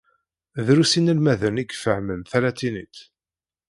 Drus inelmaden i ifehhmen talatinit.